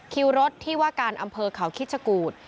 คิวรถที่ว่าการอำเภอเขาคิดชะกูธ